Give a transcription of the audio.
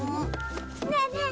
ねえねえ